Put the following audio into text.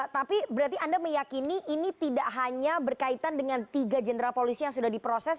tapi berarti anda meyakini ini tidak hanya berkaitan dengan tiga jenderal polisi yang sudah diproses